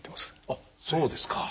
あっそうですか。